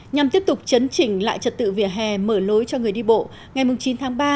nhằm tiếp tục chấn chỉnh lại trật tự vỉa hè mở lối cho người đi bộ ngày chín tháng ba